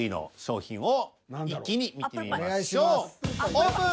オープン！